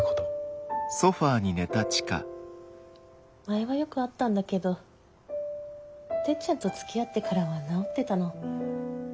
前はよくあったんだけどてっちゃんとつきあってからは治ってたの。